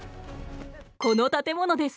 この建物です。